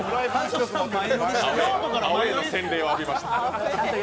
アウェーの洗礼を浴びました。